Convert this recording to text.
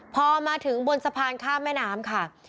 พอมาถึงบนสะพานข้ามแม่น้ำค่ะ